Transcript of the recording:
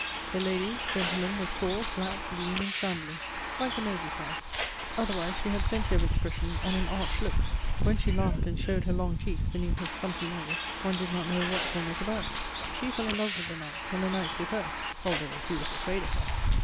"The lady, gentlemen, was tall, flat, lean, and shambling, like the major's wife; otherwise she had plenty of expression and an arch look. When she laughed and showed her long teeth beneath her stumpy nose, one did not know what one was about. She fell in love with the knight and the knight with her, although he was afraid of her."